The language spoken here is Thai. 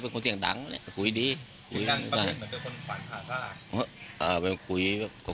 คุณลุงเค้ามีปัญหาบรรดากับใคร